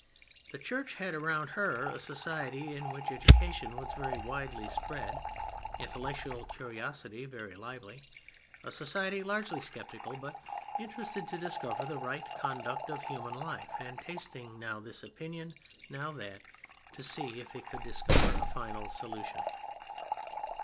The Church had around her a society in which education was very widely spread, intellectual curiosity very lively, a society largely skeptical, but interested to discover the right conduct of human life, and tasting now this opinion, now that, to see if it could discover a final solution.